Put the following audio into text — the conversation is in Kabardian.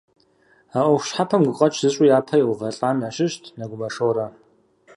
А ӏуэху щхьэпэм гукъэкӏ зыщӏу япэ еувэлӏахэм ящыщт Нэгумэ Шорэ.